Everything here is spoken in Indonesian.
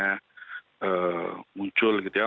kemudian korbannya muncul gitu ya